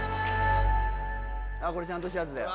これちゃんとしたやつだよ